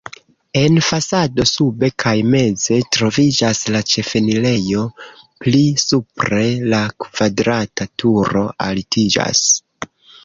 En fasado sube kaj meze troviĝas la ĉefenirejo, pli supre la kvadrata turo altiĝas.